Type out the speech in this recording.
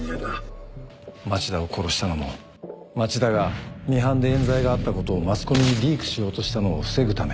町田を殺したのも町田がミハンで冤罪があったことをマスコミにリークしようとしたのを防ぐため。